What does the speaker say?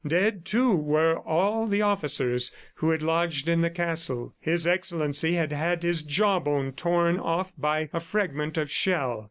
Dead, too, were all the officers who had lodged in the castle. His Excellency had had his jaw bone torn off by a fragment of shell.